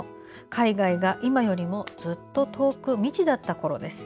海外が今よりもずっと遠く未知だったころです。